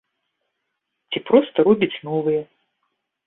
Ці проста робіць новыя.